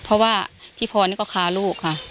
เพราะว่าพี่พรนี่ก็ค้าลูกค่ะ